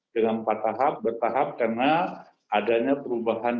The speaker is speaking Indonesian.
dengan empat tahap bertahap karena adanya perubahan